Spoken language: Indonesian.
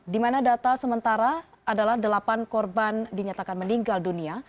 di mana data sementara adalah delapan korban dinyatakan meninggal dunia